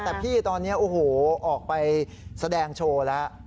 แต่พี่ตอนนี้โอ้โหออกไปแสดงโชว์แล้ว